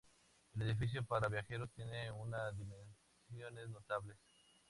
El edificio para viajeros tiene una dimensiones notables.